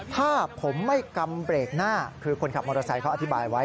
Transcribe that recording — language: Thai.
ถ้าผมไม่กำเบรกหน้าคือคนขับมอเตอร์ไซค์เขาอธิบายไว้